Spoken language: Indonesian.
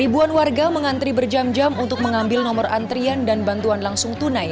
ribuan warga mengantri berjam jam untuk mengambil nomor antrian dan bantuan langsung tunai